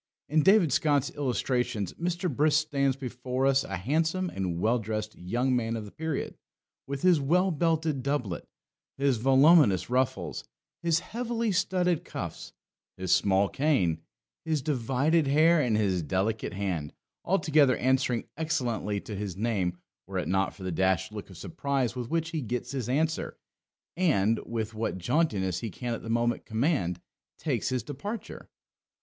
In David Scott's Illustrations Mr. Brisk stands before us a handsome and well dressed young man of the period, with his well belted doublet, his voluminous ruffles, his heavily studded cuffs, his small cane, his divided hair, and his delicate hand, altogether answering excellently to his name, were it not for the dashed look of surprise with which he gets his answer, and, with what jauntiness he can at the moment command, takes his departure.